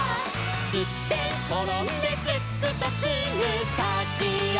「すってんころんですっくとすぐたちあがる」